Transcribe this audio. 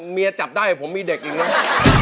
เมียจับได้ผมมีเด็กอีกนะ